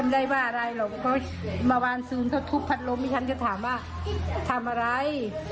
ก็มาวานซูงโทษพัดลมที่ฉันจะถามว่าทำอะไรก็จะถามว่ามีอะไร